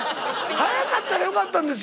早かったらよかったんですよ。